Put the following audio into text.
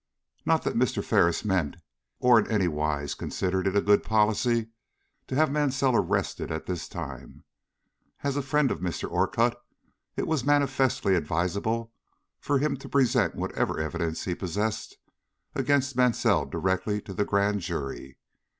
Not that Mr. Ferris meant, or in anywise considered it good policy, to have Mansell arrested at this time. As the friend of Mr. Orcutt, it was manifestly advisable for him to present whatever evidence he possessed against Mansell directly to the Grand Jury.